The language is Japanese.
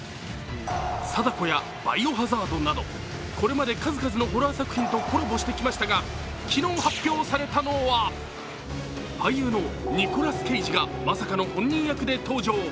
「貞子」や「バイオハザード」などこれまで数々のホラー作品とコラボしてきましたが昨日発表されたのは俳優のニコラス・ケイジがまさかの本人役で登場。